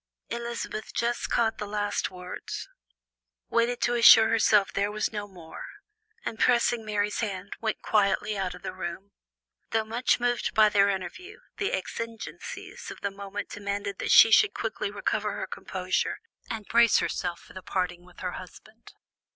Elizabeth just caught the last words, waited to assure herself there was no more, and pressing Mary's hand, went quietly out of the room. Though much moved by their interview, the exigencies of the moment demanded that she should quickly recover her composure, and brace herself for the parting with her husband.